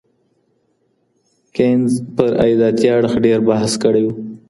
کینز پر عایداتي اړخ ډېر بحث کړی و.